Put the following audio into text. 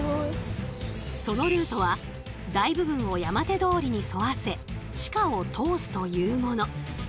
そのルートは大部分を山手通りに沿わせ地下を通すというもの。